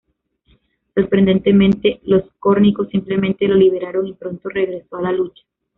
Sorprendentemente, los córnicos simplemente lo liberaron y pronto regresó a la lucha.